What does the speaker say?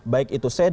baik itu sedan